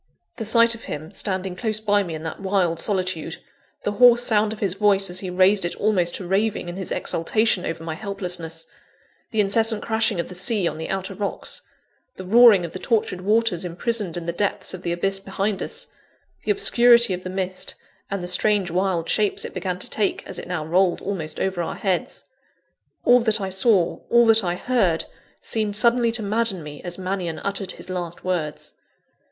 _" The sight of him, standing close by me in that wild solitude; the hoarse sound of his voice, as he raised it almost to raving in his exultation over my helplessness; the incessant crashing of the sea on the outer rocks; the roaring of the tortured waters imprisoned in the depths of the abyss behind us; the obscurity of the mist, and the strange, wild shapes it began to take, as it now rolled almost over our heads all that I saw, all that I heard, seemed suddenly to madden me, as Mannion uttered his last words.